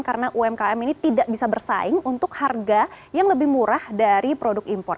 karena umkm ini tidak bisa bersaing untuk harga yang lebih murah dari produk impor